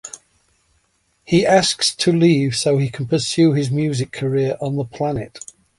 He asks to leave so he can pursue his music career on the planet.